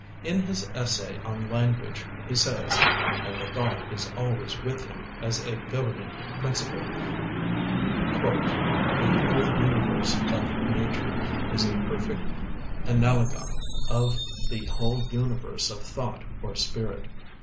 In his essay on Language he says (and the thought is always with him as a governing principle): "The whole universe of nature is a perfect analogon of the whole universe of thought or spirit.